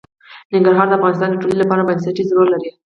ننګرهار د افغانستان د ټولنې لپاره بنسټيز رول لري.